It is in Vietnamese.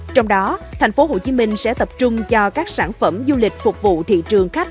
trong đó thành phố hồ chí minh sẽ tập trung cho các sản phẩm du lịch phục vụ thị trường khách